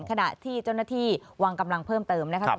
ขณะที่เจ้านที่วังกำลังเพิ่มเติม